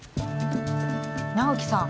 直木さん